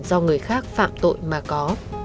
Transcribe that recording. do người khác phạm tội mà có